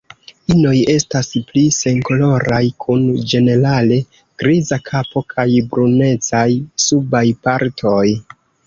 Inoj estas pli senkoloraj kun ĝenerale griza kapo kaj brunecaj subaj partoj.